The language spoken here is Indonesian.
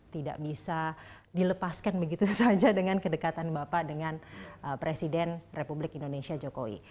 tidak bisa dilepaskan begitu saja dengan kedekatan bapak dengan presiden republik indonesia jokowi